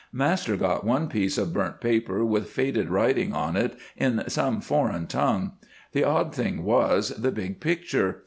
Master got one piece of burnt paper with faded writing on it in some foreign tongue. The odd thing was the big picture.